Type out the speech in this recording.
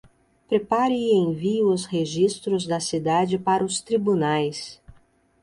Prepare e envie os registros da cidade para os tribunais.